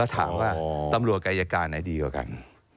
และถามว่าตำหลวกก็อีกว่ากัน